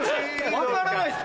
分からないっす